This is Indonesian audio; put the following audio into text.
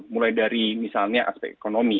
mulai dari misalnya aspek ekonomi